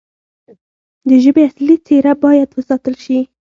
د ژبې اصلي څیره باید وساتل شي.